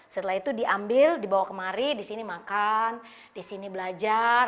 setelah itu diambil dibawa kemari di sini makan di sini belajar